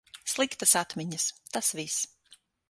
Sliktas atmiņas, tas viss.